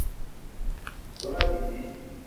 Ve ma bidi